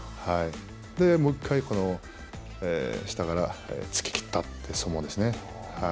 もう一回下から突ききったって相撲ですね。